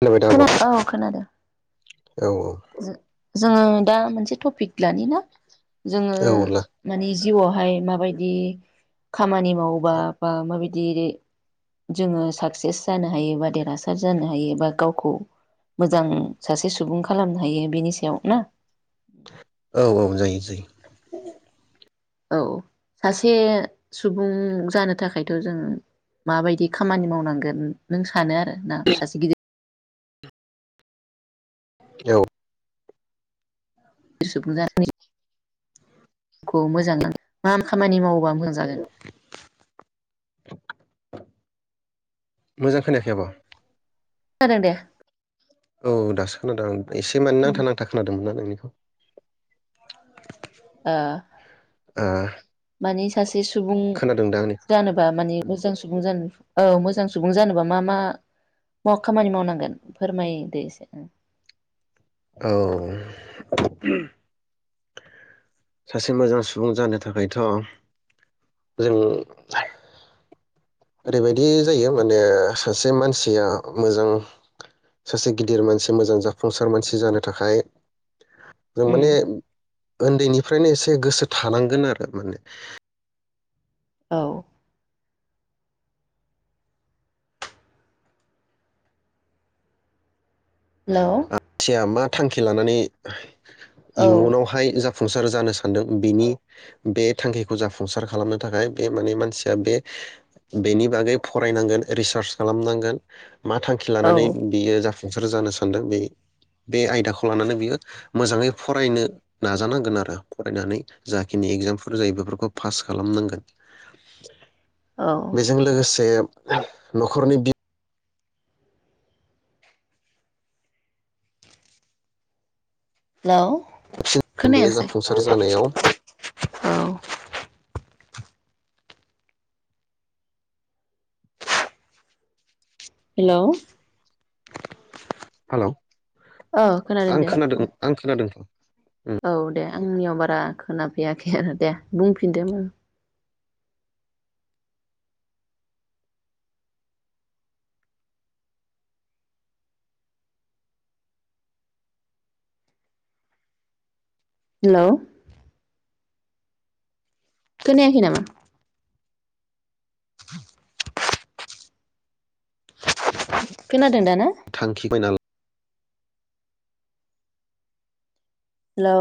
खोनाबाय दा आब' खोना औ खोनादों। औ जोङो दा मोनसे टपिक लानि ना? जोङो औ ला मानि जिउआवहाय माबायदि खामानि मावोबा बा माबाय दि जोङो साकसेस जानो हायो बा देरहासार जानो हायो बा गावखौ मोजां सासे सुबुं खा खालामनो हायो बेनि सायाव ना? औ औ जायो जायो। औ सासे सुबुं जानो थाखायथ' जों माबायदि खामानि मावनांगोन नों सानो आरो ना सासे गिदिर औ सुबुं जानाय खौ मोजाङ मा खामानि मावोबा मोजां जागोन मोजां खोनायाखै आब'। खोनादों दे औ दासो खोनादों। एसे माने नांथा नांथा खोनादोंमोन ना नोंनि ओ ओ [unintelligible] सासे से सुबुं खोनादों दा आंनिखौ जानोबा माने मोजां सुबुं जानो औ मोजां सुबुं जानोबा मा मा खामानि मावनांगोन फोरमायदो एसे ओं। औ सासे मोजां सुबुं जानो थाखायथ' जों ओरैबायदि जायो माने सासे मानसिया मोजां सासे गिदिर मानसि मोजां जाफुंसार मानसि जानो थाखाय जों उम माने उन्दैनिफ्रायनो एसे गोसो थानांगोन आरो माने। औ। हेलौ। मानसिया मा थांखि लानानै औ इयुनावहाय जा फुंसार जानो सानदों बेनि बे थांखिखौ जाफुंसार खालामनो थाखाय बे माने मानसिया बे बेनि बागै फरायनांगोन रिसार्च खालामनांगोन। मा थांखि लानानै औ बियो जाफु फुंसार जानो सा सानदों बे बे आयदाखौ लानानै बियो मोजाङै फरायनो नाजानांगोन आरो फरायनानै जाखिनि एकजामफोर जायो बेफोरखौ फास खालामनांगोन। औ बेजों लोगोसे न'खरनि बि हेलौ। [unintelligible] बेयो खोनायासै जाफुंसार जानायाव औ हेलौ। हेलौ। औ आं दे खोनादों बुं आं खोनादोंथ'। औ दे। आंनियाव बारा खोनाफैयाखै आरो दे बुंफिनदो ओमबाबो। हेलौ। खोनायाखै नामा? [inaudible] खोनादों दा ना? थांखिबायना हेलौ।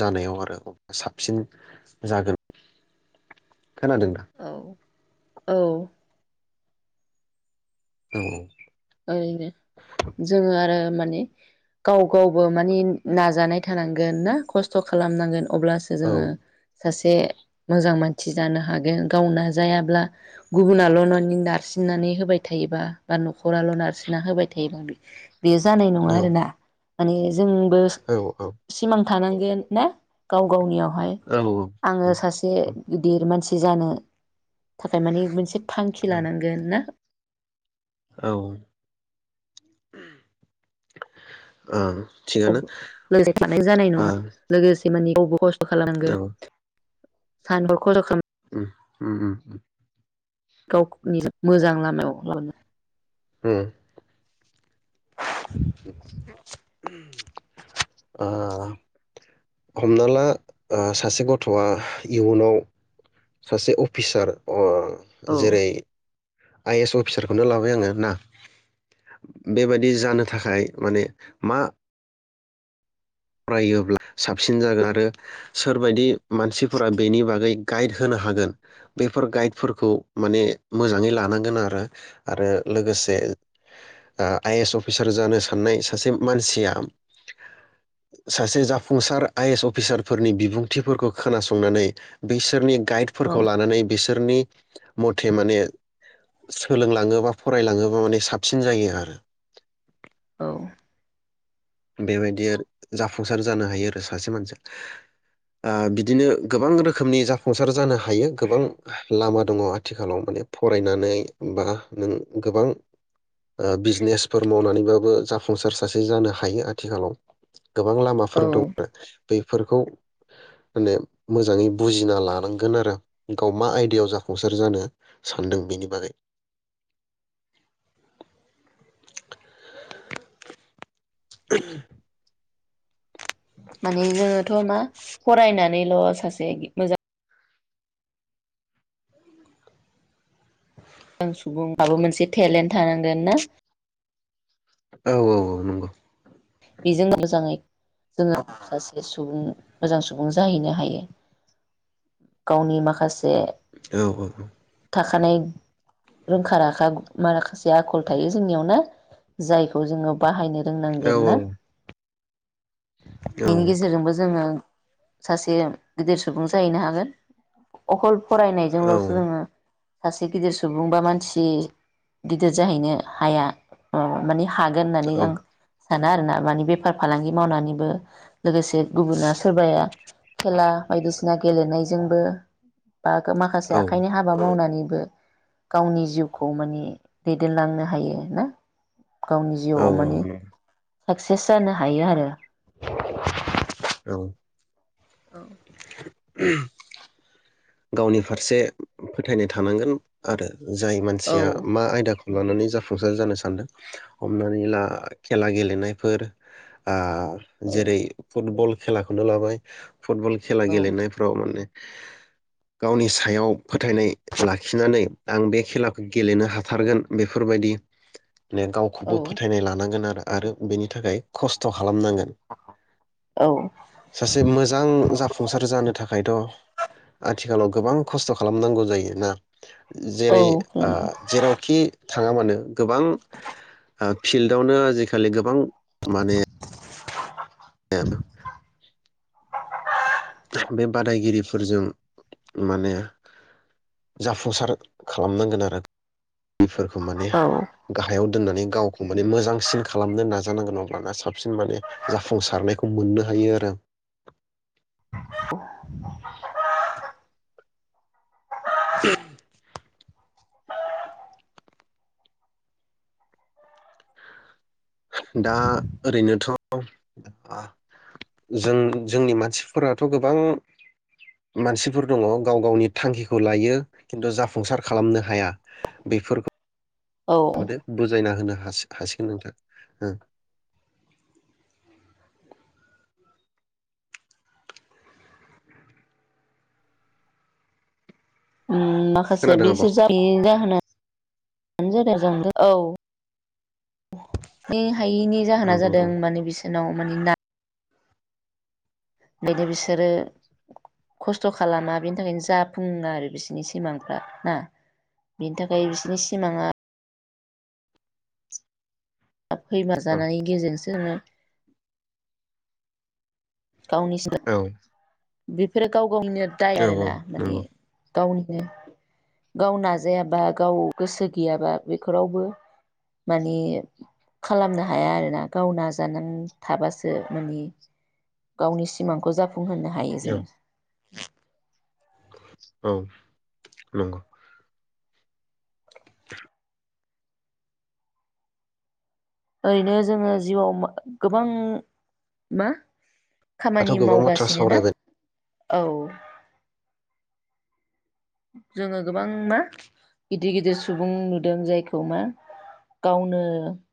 जानायाव आरो [unintelligible] साबसिन जागोन। खोनादों दा? औ औ। औ। ओरैनो जोङो आरो मा ने गाव गावबो माने नाजानाय थानांगोन ना? खस्थ' खालामनांगोन। अब्लासो जोङो सासे मोजां मानसि जानो हागोन। गाव नाजायाब्ला गुबुनाल' न' नारसिननानै होबाय थायोबा बा न' खराल' नारसिनना होबाय थायोबा बे बेयो जानाय नङा औ आरो ना। माने ज जोंबो सिमां थानांगोन ना गाव गावनियाव हाय औ आंङो सासे गिदिर मानसि जानो थाखाय माने मोनसे थांखि लानांगोन ना औ ओं औ लोगोसे थानाय जानाय नङा लोगोसे मानि बबो [inaudible] खालाम औ गोन साइान बखौल [inaudible] उम उम उम गावनि मोजां लामायाव लाबोनो उम ओ हमना ला सासे गथ'आ इयुनाव सासे अफिसार ओ औ जेरै आइ एस अफिसारखौनो लाबाय आङो ना बेबायदि जानो थाखाय माने मा फरायोब्ला साबसिन जागोन आरो सोरबायदि मानसिफोरा बेनि बागै गाइड होनो हागोन बेफोर गाइडफोरखौ माने मोजाङै लानांगोन आरो आरो लोगोसे ओ आइ एस अफिसार जानो साननाय सासे मानसिया सासे जाफुंसार आइएस अफिसारफोरनि बिबुंथिफोरखौ खोनासंनानै बैसोरनि औ गाइडफोरखौ लानानै बिसोरनि मथे माने सोलोंलाङोबा फरायलाङोबा माने साबसिन जायो आरो औ बेबायदि आरो जाफुंसार जानो हायो आरो सासे मानसिया बिदिनो गोबां रोखोमनि जाफुंसार जानो हायो गोबां लामा दङ आथिखालाव माने फरायनानै बा नों गोबां बिजनेसफोर मावनानैबाबो जाफुंसार सासे जानो हा हायो आथिखालाव गोबां औ लामाफोर दं बैफोरखौ माने मोजाङै बुजिना लानांगोन आरो गाव मा आयदायाव जाफुंसार जानो सानदों बेनि बागै [inaudible] माने जोङोथ' मा फरायनानैल' सासे मोजां सुबुं माबा मोनसे टेलेन्ट थानांगोन ना औ औ औ नंगौ बेजों मोजाङै जोङो सासे सुबुं मोजां सुबुं जाहैनो हायो गावनि माखासे औ औ थाखानाय रोंखा राखा माखासे आखल थायो जोंनियावनो जायखौ जोङो बाहायनो रोंनांगोन ना औ बेनि औ गेजेरजोंबो जोङो सासे गिदिर सुबुं जाहैनो हागोन अखल फरायनायजोंल'सो जोङो सासे गिदिर सुबुं बा मानसि गिदिर जाहैनो हाया औ माने हागोन होननानै आं सानो आरोना माने बेफार फालांगि मावनानैबो लोगोसे गुबुना सोरबाया खेला बायदिसिना गेलेनायजोंबो ओ माखासे आखाइनि हाबा मावनानै गावनि जिउखौ माने दैदेनलांनो हायो ना गावनि औ जिउआव माने साक्सेस जानो हायो आरो [inaudible] औ औ गावनि फारसे फोथायनाय थानांगोन आरो जाय मानसिया औ मा आयदाखौ लानानै जाफुंसार जानो सानदों हमनानै ला खेला गेलेनायफोर ओ औ औ जेरै फुटबल खेलाखौनो लाबाय फुटबल खेला गेलेनायफ्राव माने गावनि सायाव फोथायनाय लाखिनानै आं बे खेलाखौ गेलेनो हाथारगोन बेफोरबायदि बे औ गावखौबो फोथायनाय लानांगोन आरो आरो बेनि थाखाय खस्थ' खालामनांगोन सासे मोजां जाफुंसार जानो थाखायथ' आथिखालाव गोबां खस्थ' खालामनांगौ जायोना जेरै ओ औ जेरावखि थाङा मानो गोबां ओ फिल्डआवनो आजिखालि गोबां माने [unintelligible] बे बादायगिरिफोरजों माने जाफुंसार खालामनांगोन आरो दैफोरखौ माने औ गाहायाव दोन्नानै गावखौ माने मोजांसिन खालामनो नाजानांगोन अब्लाना साबसिन माने जाफुंसारनायखौ मोननो हायो आरो [inaudible] दा ओरैनोथ' ओ जों जोंनि मानसिफोराथ' गोबां मानसिफोर दङ गाव गावनि थांखिखौ लायो खिन्थु जाफुंसार खालामनो हाया बेफोरख औ [unintelligible] बुजायना होनो हा हासि-हासिगोन नोंथां ओं उम माखासेया खोनादों आब' औ बिसोर [unintelligible] जाहोना [unintelligible] औ इ हायैनि औ जाहोना जादों माने बिस नाव माने ना [unintelligible] बिसोरो खस्थ' खालामा बिनि थाखायनो जाफुङा आरो बिसोरनि सिमांफ्रा ना बिनि थाखाय बिसोरनि सिमाङा [unintelligible] गावनि औ [unintelligible] बेफोरो गाव वनिनो दाय औ आरो ना माने नंगौ गावनिनो गाव नाजायाबा गाव गोसो गैयाबा बेखौ रावबो माने खालामनो हाया आरोना गाव नाजानां थाबासो माने गावनि सिमांखौ जा फुंहोनो हायो जों। औ नंगौ [inaudible] ओरैनो जोङो जिउआव गोबां मा खामानि दाथ' गोबां बाथ्रा मावगासिनो ना सावरायबाय औ जोङो गोबां मा गिदिर गिदिर सुबुं नुदों जायखौ मा गावनो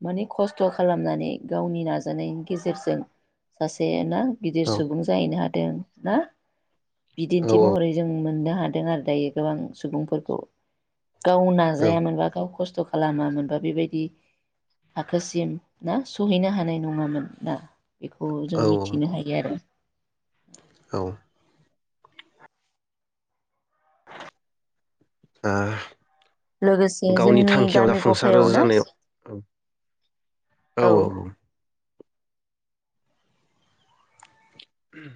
माने खस्थ' खालामनानै गावनि नाजानायनि गेजेरजों सासे ना गिदिर औ सुबुं जाहैनो हादों ना औ औ बिदिन्थि महरै जों मोननो हादों आरो दायो गोबां सुबुंफोरखौ गाव औ नाजायामोनब गाव खस्थ' खालामामोन बा बेबायदि थाखोसिम ना सहैनो हानाय नङामोन ना बेखौ जों औ मिथिनो हायो आरो औ आ लोगोसे जोंनि गामि जाफुंसार गफायाव ना जानायाव औ औ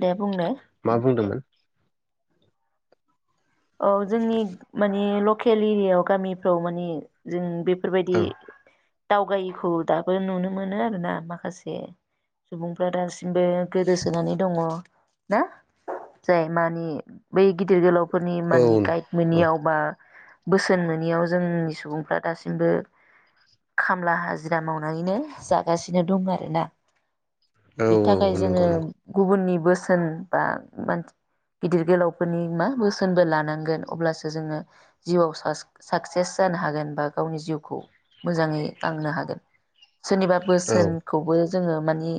दे बुंनाय मा बुंदोंमोन? औ जोंनि मानि लग केल एरियायाव गामिफ्राव माने जों बे बेफोरबायदि। ओं दावगायिखौ दाबो नुनो मोनो आरोना माखासे सुबुंफ्रा दासिमबो गोदोसोनानै दङ ना जाय मानि बै गिदिर गोलाव फोरनि औ मानि गाइड मोनियाव बा बोसोन मोनियाव जोंनि सुबुंफ्रा दासिमबो खामला हाजिरा मावनानैनो जागासिनो दं आरोना। औ बिनि औ थाखाय औ जोङो नंगौ नंगौ गुबुननि-' बोसोन बा मानस गिदिर गोलावफोरनि मा बोस सोनबो लानांगोन अब्लासो जोङो जिउआव सास्क साक्सेस जानो हागोन बा गावनि जिउखौ मोजाङै लांनो हागोन। सोरनिबा औ बोसोनखौबो जोङो माने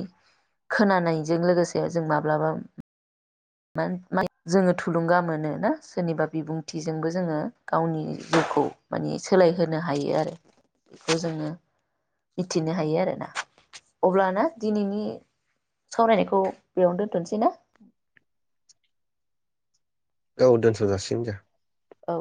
खोनानायजों लोगोसे जों माब्लाबाम मा जोङो थुलुंगा मोनो ना? सोनिबा बिबुंथिजोंबो जोङो गावनि जिउखौ माने सोलायहोनो हायो आरो बेखौ जोङो मिथिनो हायो आरोना अब्लाना दिनैनि सावरायनायखौ बेयावनो दोन्थ'नोसै ना? औ दोनथ' जाासिनो दे। औ।